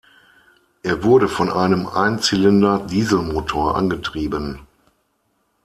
Er wurde von einem Einzylinder-Dieselmotor angetrieben.